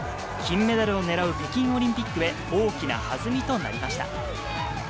金メダルを狙う北京オリンピックへ、大きな弾みとなりました。